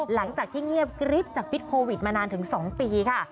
หลังจากที่เงียบกริ๊บจากพิษโควิดมานานถึง๒ปีค่ะ